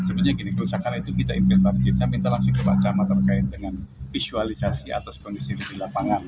sebenarnya kini kerusakan itu kita impin tapi kita langsung kebacama terkait dengan visualisasi atas kondisi di lapangan